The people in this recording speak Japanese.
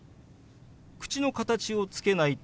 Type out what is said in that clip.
口の形をつけないと。